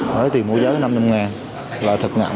lấy tiền mua giấy năm năm ngàn là thật ngạm